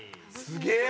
すげえ！